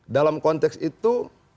dalam konteks itu